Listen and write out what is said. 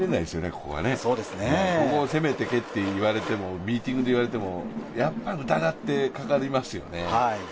ここを攻めてけって、ミーティングで言われてもやっぱ疑ってかかりますよね。